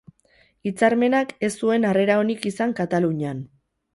Hitzarmenak ez zuen harrera onik izan Katalunian.